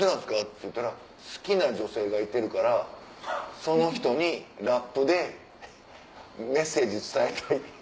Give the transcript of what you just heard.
って言ったら「好きな女性がいてるからその人にラップでメッセージ伝えたい」。